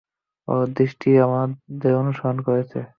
ওর দৃষ্টি আমাদের অনুসরণ করছে।